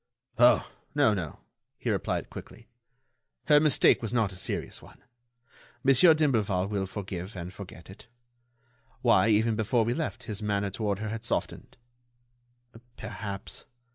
"Oh! no, no," he replied quickly. "Her mistake was not a serious one. Monsieur d'Imblevalle will forgive and forget it. Why, even before we left, his manner toward her had softened." "Perhaps